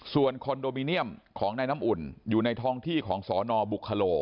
ส่วนคอนโดมิเนียมของนายน้ำอุ่นอยู่ในท้องที่ของสนบุคโล